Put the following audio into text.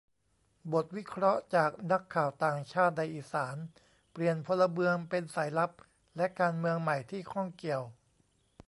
บทวิเคราะห์จากนักข่าวต่างชาติในอีสาน : เปลี่ยนพลเมืองเป็นสายลับ และการเมืองใหม่ที่ข้องเกี่ยว